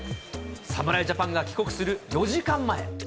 侍ジャパンが帰国する４時間前。